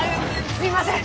すみません！